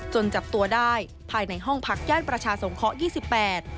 จนจับตัวได้ภายในห้องพักย่านประชาสงเคราะห์๒๘